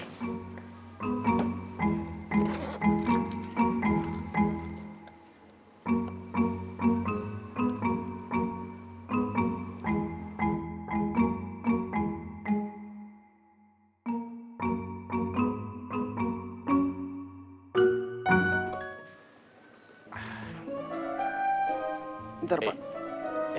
gue tanya roman deh